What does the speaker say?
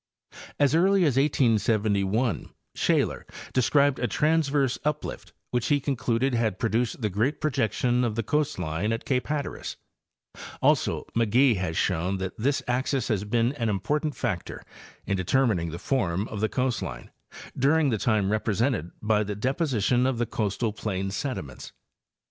As early as 1871 Shaler* described a transverse uplift which he concluded had produced the great projection of the coast line at ape Hatteras; also McGee has shown that this axis has been an important factor in determining the form of the coast line during the time represented by the deposition of the coastal plain sediments.